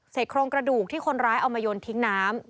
โครงกระดูกที่คนร้ายเอามายนทิ้งน้ำ